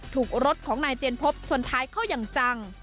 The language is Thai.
ถูกรถของนายเจนพบชนท้ายเข้าอย่างจัง